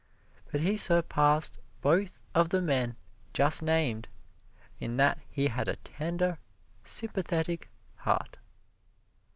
But he surpassed both of the men just named in that he had a tender, sympathetic heart.